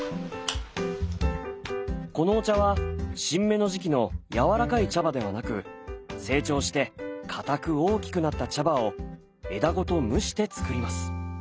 このお茶は新芽の時期のやわらかい茶葉ではなく成長して硬く大きくなった茶葉を枝ごと蒸してつくります。